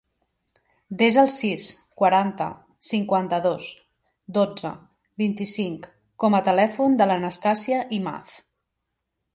Desa el sis, quaranta, cinquanta-dos, dotze, vint-i-cinc com a telèfon de l'Anastàsia Imaz.